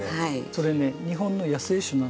これね日本の野生種なんです。